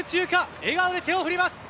笑顔で手を振ります。